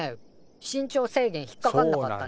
身長制限引っかかんなかったね。